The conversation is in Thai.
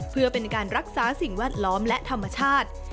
เพื่อเป็นการรักษาสิ่งแวดล้อมและธรรมชาติ